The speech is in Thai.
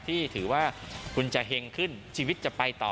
ที่ถือว่าคุณจะเห็งขึ้นชีวิตจะไปต่อ